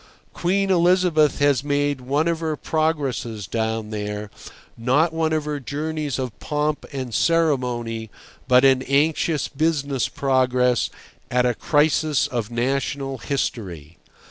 Queen Elizabeth has made one of her progresses down there, not one of her journeys of pomp and ceremony, but an anxious business progress at a crisis of national history.